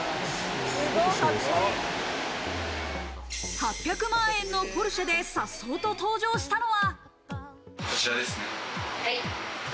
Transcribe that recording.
８００万円のポルシェでさっそうと登場したのは。